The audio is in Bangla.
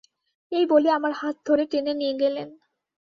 – এই বলে আমার হাত ধরে টেনে নিয়ে গেলেন।